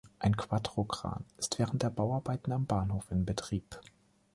Ein Quattro-Kran ist während der Bauarbeiten am Bahnhof in Betrieb.